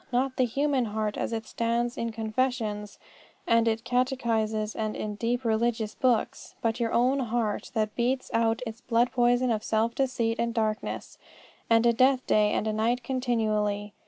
Not the human heart as it stands in confessions, and in catechisms, and in deep religious books, but your own heart that beats out its blood poison of self deceit, and darkness, and death day and night continually.